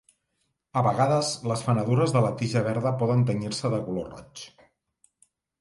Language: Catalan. A vegades les fenedures de la tija verda poden tenyir-se de color roig.